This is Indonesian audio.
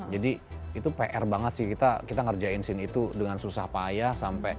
jadi itu pr banget sih kita ngerjain scene itu dengan susah payah sampai